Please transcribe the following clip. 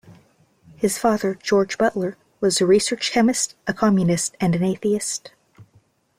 His father George Butler was a research chemist, a Communist and an atheist.